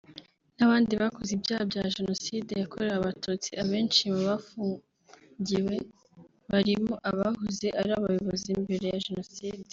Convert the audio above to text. n’abandi bakoze ibyaha bya Jenocide yakorewe abatutsi abenshi mu bahafungiye barimo abahoze ari abayobozi mbere ya Jenoside